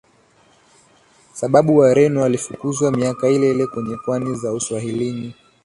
sababu Wareno walifukuzwa miaka ileile kwenye pwani za Uswahilini